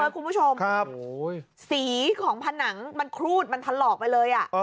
คุณผู้ชมสีของผนังมันครูดมันถลอกไปเลย